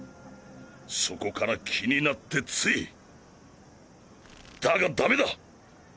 そこから気になってついだがダメだ！